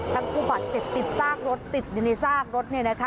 ทั้งผู้บัติเจ็บติดซากรถติดในซากรถนี่นะคะ